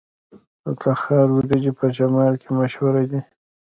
د تخار وریجې په شمال کې مشهورې دي.